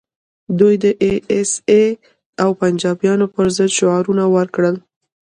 دوی د ای ایس ای او پنجابیانو پر ضد شعارونه ورکړل